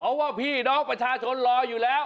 เพราะว่าพี่น้องประชาชนรออยู่แล้ว